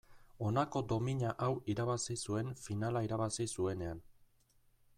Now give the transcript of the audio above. Honako domina hau irabazi zuen finala irabazi zuenean.